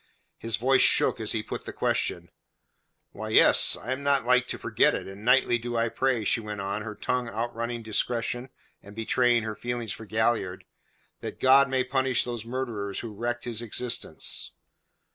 His voice shook as he put the question. "Why, yes. I am not like to forget it, and nightly do I pray," she went on, her tongue outrunning discretion and betraying her feelings for Galliard, "that God may punish those murderers who wrecked his existence."